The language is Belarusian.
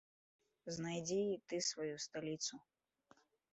Знайдзі і ты сваю сталіцу!